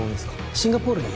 シンガポールに